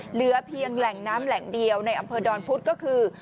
เหลือเพียงแหล่งน้ำแหล่งเดียวในอำเภอดอนพุธก็คือ